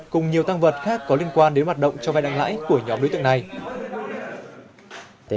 cùng nhiều tăng vật khác có liên quan đến hoạt động cho vai đánh lãi của nhóm đối tượng này